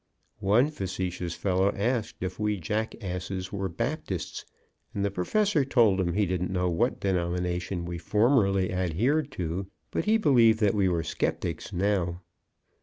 One facetious fellow asked if we jackasses were Baptists, and the Professor told him he didn't know what denomination we formerly adhered to, but he believed that we were skeptics now.